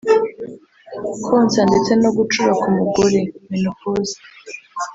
konsa ndetse no gucura k’umugore (menopause)